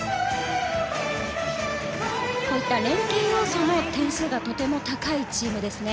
こういった連係要素の点数がとても高いチームですね。